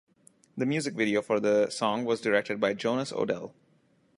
The music video for the song was directed by Jonas Odell.